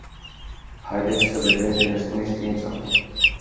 Haideți să vedem ce ne spune știința.